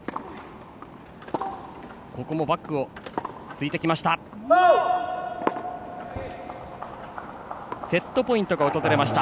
ここもバックを突いてきました。